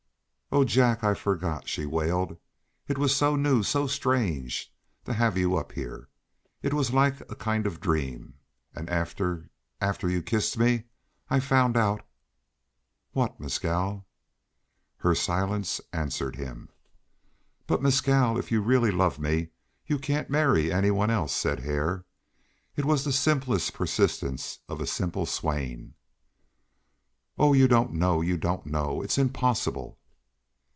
"Oh, Jack, I forgot," she wailed. "It was so new, so strange, to have you up here. It was like a kind of dream. And after after you kissed me I I found out " "What, Mescal?" Her silence answered him. "But, Mescal, if you really love me you can't marry any one else," said Hare. It was the simple persistence of a simple swain. "Oh, you don't know, you don't know. It's impossible!"